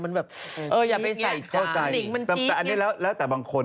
แบบมอยากไปใส่จายกี๊กหรือยังเมื่อกี้เออเดี๋ยวอันนี้แล้วแต่บางคน